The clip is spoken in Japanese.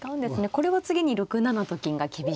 これは次に６七と金が厳しいと。